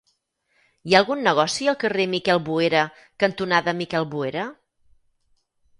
Hi ha algun negoci al carrer Miquel Boera cantonada Miquel Boera?